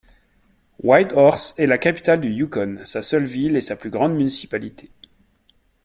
Whitehorse est la capitale du Yukon, sa seule ville et sa plus grande municipalité.